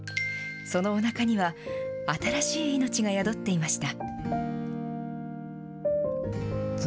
そのおなかには、新しい命が宿っていました。